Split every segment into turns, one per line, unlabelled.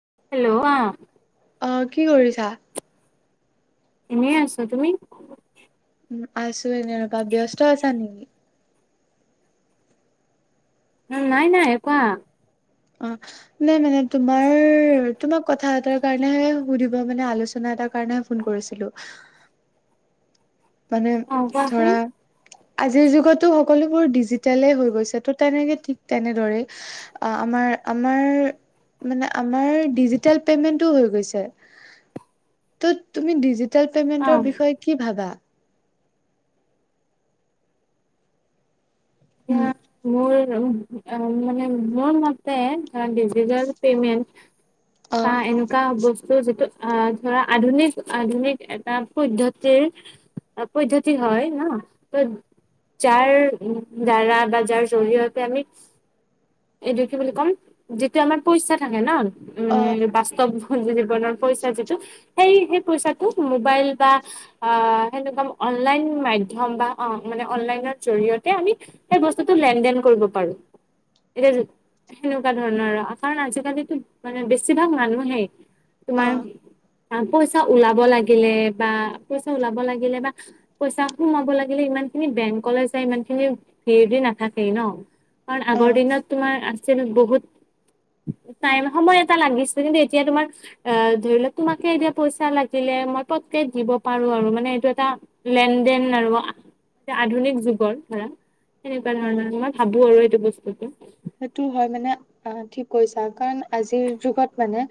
Hello,
অ', কি কৰিছা?
এনেই আছো তুমি?
উ আছো এনে ৰবা ব্যস্ত আছা নেকি?
উম নাই নাই কোৱা।
অ নে এনেকে তোমাৰ তোমাক কথা এটাৰ কাৰণেহে সুধিব মানে আলোচনা এটা কাৰণেহে ফোন কৰিছিলোঁ।
[inaudible]
মানে
অ কোৱাচোন
ধৰা আজিৰ যুগতো সকলোবোৰ ডিজিটলে হৈ গৈছে ত' তেনেকৈ ঠিক তেনেদৰেই আমাৰ- আমাৰ মানে আমাৰ ডিজিটেল পেমেণ্টটো হৈ গৈছে। তো তুমি ডিজিটেল
অ
পেমেন্টৰ বিষয়ে কি ভাবা? উম
এয়া মোৰ মানে মোৰ মতে ডিজিটেল পেমেণ্ট
অ
তা এনেকুৱা বস্তু ট যিটো আহ ধৰা আধুনিক আধুনিক এটা পদ্ধতিৰ পদ্ধতি হয় ন যাৰ ধাৰা বা যাৰ জৰিয়তে আমি এইটো কি বুলি ক'ম, যিটো আমাৰ পইচা থাকে ন'
অ
উ বাস্তৱ যদি কোনো পইচা যিটো, সেই হেই পইচাটো মোবাইল বা আ এনেকুৱা অ অনলাইন মাধ্যম বা অ মানে অনলাইনৰ জৰিয়তে আমি সেই বস্তুটো লেন- দেন কৰিব পাৰোঁ। এতিয়া সেনেকুৱা ধৰণৰ কাৰণ আজিকালিতো মানে বেছিভাগ মানুহেই-
অ
তোমাৰ পইচা ওলাব লাগিলে বা পইচা ওলাব লাগিলে বা পইচা সোমাব লাগিলে ইমান এইখিনি বেংক লৈ যায় ইমানখিনি ভিৰ দি নাথাকে ন', কাৰণ
অ
আগৰ দিনত তুমাৰ যেনে বহুত টাইম সময় এটা লাগিছে কিন্তু এতিয়া তোমাক আ ধৰি লোৱা তোমাকে এতিয়া পইচা লাগিলে। মই পতকে দিব পাৰো আৰু মানে এইটো এটা লেন- দেন আৰু আধুনিক যুগৰ ধৰা তেনেকুৱা
অ
ধৰণৰ মই ভাবো আৰু এইটো বস্তুটো।
সেইটো হয় মানে আহ ঠিক কৈছা, কাৰণ আজিৰ যুগত মানে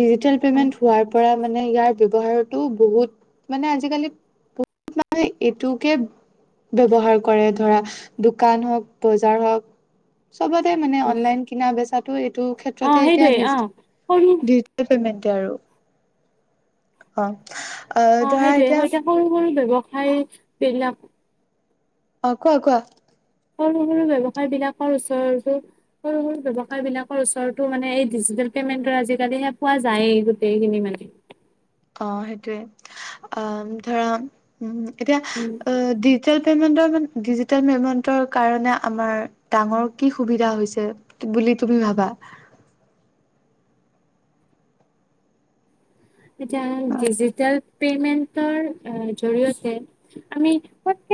ডিজিটেল পেমেন্ট
বস্তুটো
হোৱাৰ পৰা মানে ইয়াৰ ব্যৱহাৰটো বহুত মানে আজিকালি বহুত মানুহে এইটোকে ব্যৱহাৰ কৰে ধৰা দোকান হওঁক বজাৰ হওঁক। চবতে মানে অনলাইন কিনা বেচাটো এইটো
অ
ক্ষেত্ৰতে এতিয়া
সেইটোৱে অ
ডিজি
সৰু
ডিজিটেল পেমেণ্ট। এতিয়া আৰু অ
অ',
ধৰা
সেইটোয়ে
এতিয়া
হয় সৰু সৰু ব্যৱসায় বিলাক।
অ', কোৱা কোৱা।
সৰু সৰু ব্যৱসায় বিলাকৰ ওচৰতো সৰু সৰু ব্যৱসায় বিলাকৰ ওচৰতো মানে এই ডিজিটেল পেমেণ্টৰ আজিকালিহে পোৱা যায়ে গোটেইখিনি মানে
অ', সেইটোৱে, আহ ধৰা, উম এতিয়া
উম
অ ডিজিটেল পেমেণ্ট হ'ল ডিজিটেল পেমেন্টৰ কাৰণে আমাৰ ডাঙৰ কি সুবিধা হৈছে বুলি তুমি ভবা? বা
[inaudible] এতিয়া ডিজিটেল পেমেন্টৰ আ জৰিয়তে আমি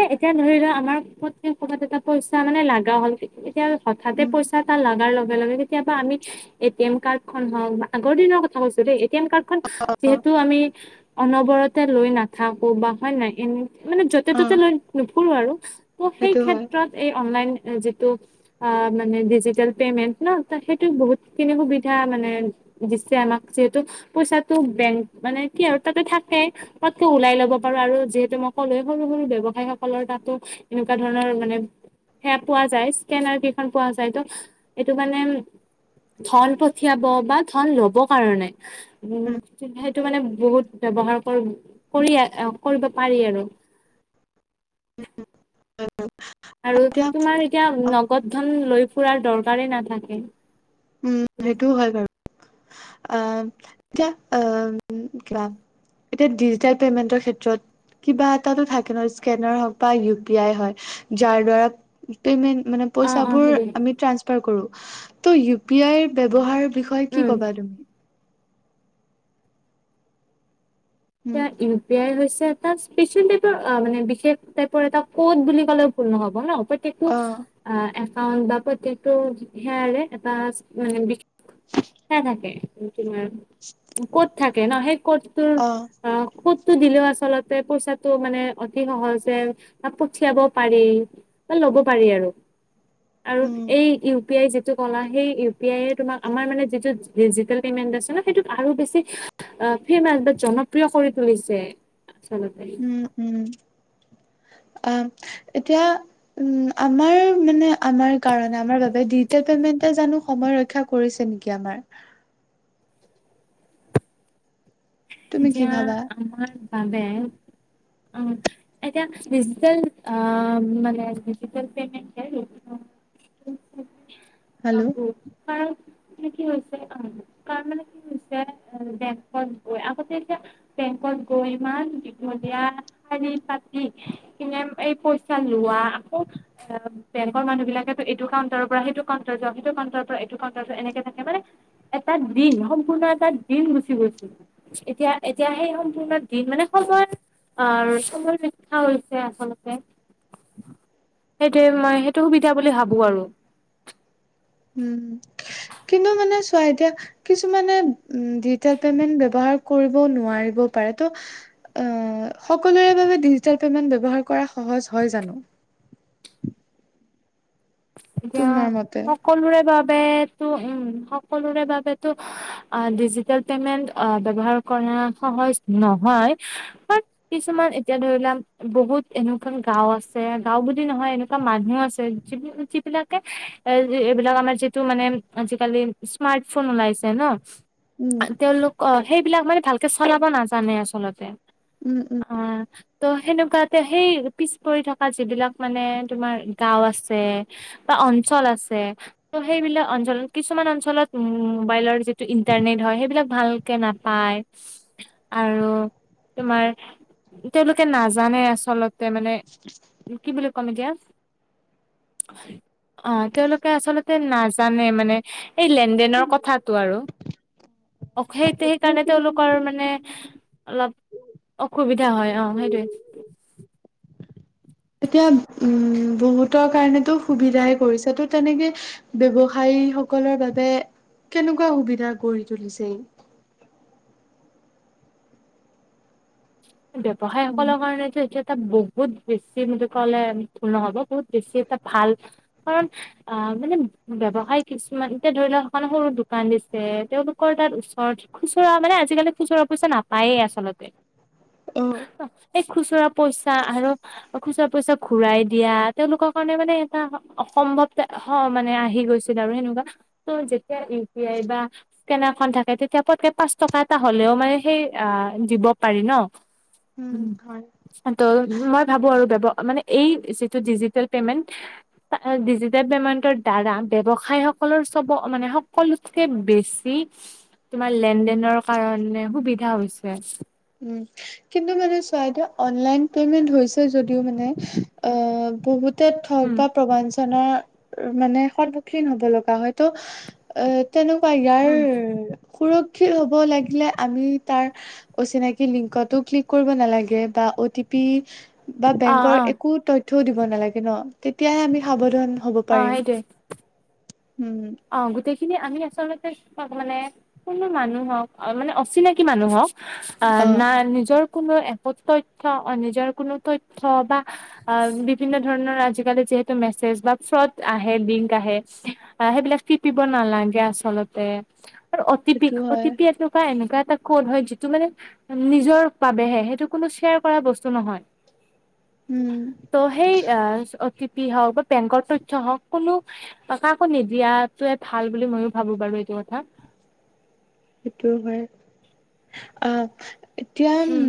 এ এতিয়া ধৰি লোৱা আমাৰ পতকে ক'ৰাত এটা পইচা মানে লগা হ'ল। এতিয়া হঠাতে
উম
পইচা এটা লাগাৰ লগে লগে-লগে কেতিয়াবা আমি এ টি এম কাৰ্ডখন হওঁক বা আগৰ দিনৰ কথা কৈছো দেই এ টি এম কাৰ্ডখন
অ
যিহেতু আমি অনবৰতে লৈ নাথাকো বা হয় নে নাই এনে মানে য'তে
অ
ত'তে লৈ নুফুৰো আৰু ত সেই
সেইটো হয়
ক্ষেত্ৰত এই অনলাইন যিটো অ মানে ডিজিেল পেমেন্ট ন সেইটো বহুতখিনি সুবিধা মানে। দিছে আমাক যিহেতু পইচাত বেং মানে কি আৰু তাতে থাকে ততকে ওলাই ল'ব পাৰো আৰু যিহেতু মই ক'লো সৰু সৰু ব্যৱসায় ব্যৱসায়সকলৰ তাতো এনেকুৱা ধৰণৰ মানে সেয়া পোৱা যায় স্কেনাৰ কেইখন পোৱা যায় ত এইটো মানে ধল পঠিয়াব বা ধল ল'ব কাৰণে উম সেইটো মানে বহুত ব্যৱহাৰ কৰি কৰিব পাৰি আৰু [unintelligible]
উম উ
আৰু তোমাৰ এতিয়া নগদ ধন লৈ ফুৰাৰ দৰকাৰেই নাথাকে।
উম সেইটোও হয় বাৰু আহ এতি উ কিবা এতিয়া ডিজিটেল পেমেন্টৰ ক্ষেত্ৰত কিবা এটাটো থাকে ন স্কেনাৰ হওঁক বা ইউ পি আই হয় যাৰ দ্বাৰা পেমেন্ট মানে
অ অ
পইচাবোৰ
সেইটোৱে
আমি টানছপাৰ কৰো টো ইউপিয়াৰ ব্যৱহাৰ। বিষয়ে কি
উম
ক'বা তুমি।
এ
উম
ইউ পি টা স্পেচিয়েল টাইপৰ অ মানে বিশেষ টাইপৰ এটা ক'ত বুলি ক'লেও ভুল নহব ন। প্ৰতিকো
অ
এপাল বা প্ৰতিকটো হেৰালে এটা বিশেষ [unintelligible] অ সৌধটো দিলেও আচলতে পইচাটো মানে অতি সহজে পঠিয়াব পাৰি। ল'ব পাৰি আৰু
উম
ইউ পি আই যিটো যিটো ক'লা হেই ইউপিআই তোমাৰ যিটো পেমেণ্ট আছে সেই আৰু বেছি ফেমাছ বা জনপ্ৰিয় কৰি তুলিছে আচলতে
উম উম অ এতিয়া উ আমাৰ মানে আমাৰ কাৰণে আমাৰ বাবে ডিজিটেল জানো সময় ৰক্ষা কৰিছে নেকি আমাৰ তুমি কি
তিয়া
ভাবা
আমাৰ বাবে অ এতিয়া ডিজিটেল মান ডিজিট পেমেণ্ট আব
হেল্ল'
কাৰ মানে কি হৈছে কাৰ কাৰণ মানে কি হৈছে এ ডেম আগতে এতিয়া বেংকত গৈ ইমান দীঘলীয়া শাৰী পাতি কিমান এই পইচা লোৱা আকৌ অ বেংকৰ মানুহ বিলাকেতটো এইটো কউণ্টাৰৰ পৰা সেইটো কাণ্টাৰ যোৱা কাউণ্টাৰৰ পৰা এইটো কাউণ্টাৰ এনেকে থাকে মানে এটা দিন সম্পূৰ্ণ এটা দিন গুচি গৈছিল। এতিয়া এতিয়া সেই সম্পূৰ্ণ দিন মানে সময় আৰু চবৰ শিক্ষা হৈছে আচলতে সেইটোৱে মই সেইটো সুবিধা বুলি ভাবো আৰু।
উম। কিন্ত কিছুমান ছোৱা দুটা পেমেণ্ট ব্যৱহাৰ কৰিব নোৱাৰে। উপায়টো সকলোৰে বাবে দুটা পেমেণ্ট ব্যৱহাৰ কৰা টো সহজ হয় জানো।
[unintelligible] এতিয়া
তোমাৰ মতে?
সকলোৰে ভ সকলোৰে বাবে ডিজিটেল পেমেণ্ট ব্যৱহাৰ কৰা সহজ নহয় কিছু এতিয়া ধৰি লোৱা বহুত এনে গা আছে গাওঁ বুলি নহয় এনেকুৱা মানুহ আছে যে বিলাকে এ এইবিলাক আমাৰ যিটো মানে আজিকালি স্মাৰ্ট ফোন ওলাইছে ন
উম,
তেওঁলোক অ সেইবিলাক মানে ভালকে চলাব নাজানে আচলতে
উম, উম।
অ ত সেনো তাকে সেই পিছ পৰি থকা যিবিলাক মানে তোমাৰ গাওঁ আছে। বা অঞ্চল আছে ত' সেইবিলাক অঞ্চলত কিছুমান অঞ্চলত উ মোবাইলৰ যি ইন্টাৰনেট হয় সেইবিলাক ভালকে নাপায় আৰু‌ তোমাৰ তেওঁলোকে নাজানে আচল তে মানে কি বুলি ক'ম এতিয়া [inaudible] অ তেওঁলোকে আচলতে নাজানে মানে এই লেনদেনৰ কথাটো আৰু অ সেইটো সেইকাৰণে তেওঁলোকৰ মানে অলপ অসুবিধা হয় অহ সেইটোৱে
এতিয়া উম বহুতৰ কাৰণেতো সুবিধাই কৰিছে তো তেনেকে ব্যৱসায় সকলৰ বাবে কেনেকুৱা সুবিধা গঢ়ি তুলিছে ই
[inaudible] ্ৱসায় সকলৰ কাৰণে যে এতি এটা বহুত বেছি ম কলে ভুল নহব বহুত বেছি এটা ভাল কাৰণ আ মানে ব্ৱসায় কিছুমান এতিয়া ধৰি লও এখন সৰু দোকান দিছে তেওঁওলোকৰ তাত ওচৰত খুচৰা মানে আজিকালি খুচৰাৰা পইচা নাপায়েই আচল
অ',
খুচুৰা পইচা আৰু খুচুৰা পইচা ঘূৰাই দিয়া তেওঁলোকৰ কাৰণে মানে এটা অসম [unintelligible] তেতিয়া পতকে পাঁচ টকা এটা হ'লেও মানে সেই দিব উ
উম, হয়।
ম ভ আৰু মানে এই যিটো ডিজিটেল পেমেন্ট ডিজিটেল পেমেন্টৰ দ্বাৰা ব্যৱসায় সকলৰ চব মানে সকলোতকে বেছি তোমাৰ লেন দেেনৰ কাৰণে সুবিধা হৈছে
উ কিন্তু মানে চইদ অনলাইন পেমেন্ট হৈছে যদিও মানে বহুত থগ
উম
বা প্ৰবঞ্চনাৰ মানে সন্মুখীন হ'ব লগা হয় ত' এ তেনেকুৱা ইয়াৰ
উম
সুৰক্ষিত হ'ব লাগিলে আমি তাৰ অচিনাকি লিংকতো ক্লিক কৰিব নালাগে বা অ' টি পি বা
অ
বেংকৰ
অ
একো তথ্যয়ও দিব নালাগে ন তেতিয়াহে আমি সাৱধান হ'ব
অ
পাৰিম।
সেইটোৱ
উম,
অ গোটেই খিনি আমি আচলতে মানে কোনো মানুহক মানে অচিনাকি মানুহক অ নাই নিজৰ কোনো একত তথ্ অ নিজৰ কোনো তথ্ বা অ বিভিন্ন ধৰণৰ আজিকালি [unintelligible] সেইবিলাক [unintelligible] নালাগে আচলতে আৰু অতিপি
সেইটো হয়
অতিপি এনেকুৱা এনেকুৱাত এটা ক'ত হয় যিটো মানে নিজৰ বাবেহে সেইটো কোনো শ্বেয়াৰ কৰা বস্তু নহয়
উম,
ত' সেই আহ অতীত হওক বা বেংকৰ তথ্ হওঁক কোনো কা আৌ নিদিয়াতয়ে ভাল বুলি ময়ো ভাবো বাৰু এইটো কথা
সেইটো হয় আহ এতিয়া
উম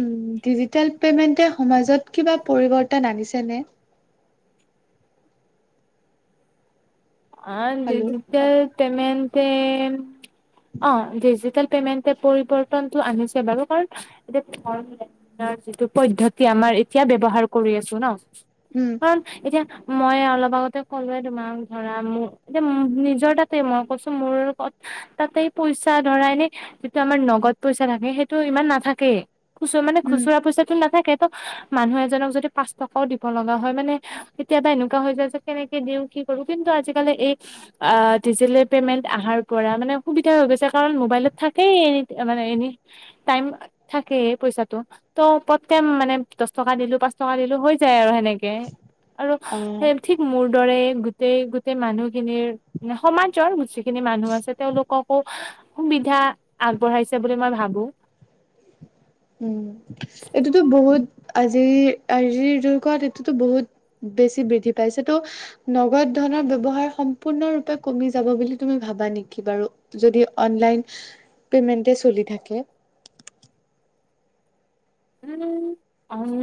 উ তেেল পে'মেণ্টে সমাজত কিবা পৰিৱৰ্তন আনিছেনে
অ
হেল্ল' অ
ডিজিটেল পেমেণ্টে অ ডিজিটেল [unintelligible] এতিয়া ব্যৱহাৰ কৰি আছো ন
উম
কাৰণ এতিয়া মই অলপ আগতে ক'লোৱে তোমাৰ ধৰা মোৰ এতিয়া নিজৰ তাতে মই কৈছো মোৰ তাতেই পইচা ধৰা এনে যিটো আমাৰ নগদ পইচা থাকে সেইটো ইমান নাথাকেই খুচুৰা মানে
উম
খুচুৰা পইচাো নাথাকে ত মানুহ এজনক যদি পাঁচ টকাও দিব লগা হয় মানে কেতিয়াবা এনেকুৱা হৈ যায় যে কেনেকে দিওঁ কি [unintelligible] থাকেই এ মানে এনি টাইম থাকেই পইচাটো ত' প্ৰতেম মানে দচ টকা নিলো পাঁচ টকা দিলো হৈ যায় আৰু সেনেকে আৰু
অ
স ঠিক মোৰ দৰে গোটেই গোটেই মানুহখিনিৰ সমাজৰচ খিনি মানুহ আছে তেওঁলোককো সুবিধা আগবঢ়াইছে বুলি মই ভাবো
উম, এইটোতো বহুত আজিৰ -আজিৰ যুগত এইটোতো বহুত বেছি বৃদ্ধি পাইছে ত' নগদ এনেকুৱা ধৰণৰ ব্যৱসায় সম্পূৰ্ণ কমি যাব বুলি তুমি ভাবা নেকি বাৰু? যদি অনলাইন পেমেন্টে চলি থাকে।
[inaudible] উম, উম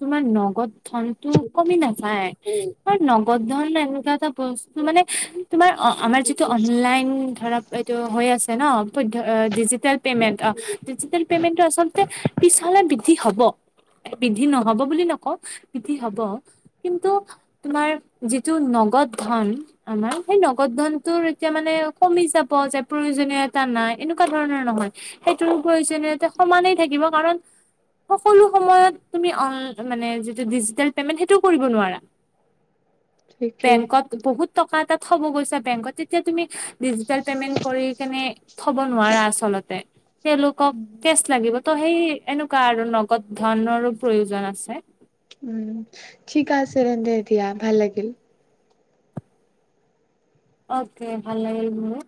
তোমাৰ নগদ ধনটো কমি নাযায় নগদ ধন এনেকুৱা এটা মানে তোমাৰ আমাৰ যিটো অনলাইন ধৰা এইটো হৈ আছে ন ডিজিটেল পেমেন্ট অ', ডিজিটেল পেমেণ্ট আচলতে পিছলৈ বৃদ্ধি হব। বিদ্বী নহব বুলি নকওঁ, বৃদ্ধি হব। কিন্তু তোমাৰ যিটো ন নগদ ধন, আমাৰ সেই নগদ ধনটোৰ এতিয়া মান কমি যাব প্ৰয়োজনীয়াতা নাই এনেকুৱা ধৰণৰ নহয়। সেইটো প্ৰয়োজনীয় সমানেই থাকিব কাৰণ সকলোঁ সময় যিটো ডিজিটেল পেমেণ্ট সেইটো কৰিব নোৱাৰা
ঠিকেই
বেংকত বহুত টকা এটা থ'ব গৈছা বেংকত তেতিয়া তুমি ডিজিটেল পেমেন্ট কৰি কেনে থ'ব নোৱাৰা আচলতে। তেওঁলোকক কেচ লাগিব। ত' সেই এনেকুৱা আৰু নগদ ধনৰো প্ৰয়োজন আছে।
উম, ঠিক আছে ৰ দিয়া ভাল লাগিল
অকে, ভাল লাগিল মোৰো।